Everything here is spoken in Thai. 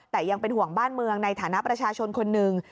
แต่ยังเป็นห่วงบ้านเมืองในฐานะประชาชนคนหนึ่ง